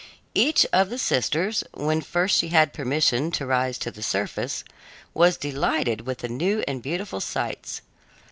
Each of the sisters, when first she had permission to rise to the surface, was delighted with the new and beautiful sights.